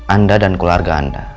anda dan keluarga anda